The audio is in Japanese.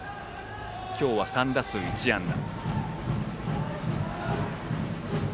今日は３打数１安打。